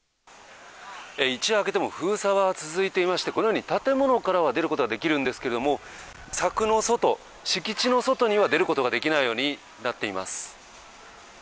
一夜明けても封鎖は続いていまして、このように建物からは出ることはできるんですけれども、柵の外、敷地の外には出ることができないようになっています。